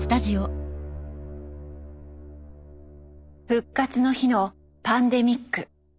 「復活の日」のパンデミック。